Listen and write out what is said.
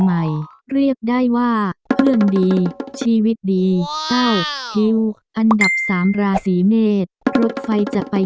ใหม่เรียกได้ว่าเรื่องดีชีวิตดีเอ้าฮิวอันดับสามราศีเมษรถไฟจะไป